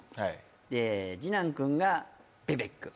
で、次男君がベベック。